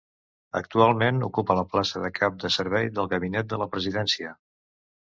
Actualment ocupa la plaça de cap de servei del Gabinet de la Presidència.